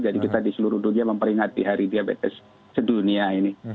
jadi kita di seluruh dunia memperingati hari diabetes sedunia ini